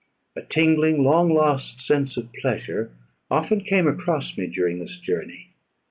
A tingling long lost sense of pleasure often came across me during this journey.